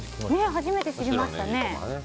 初めて知りました。